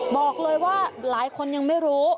บอกเลยว่าหลายคนยังไม่รู้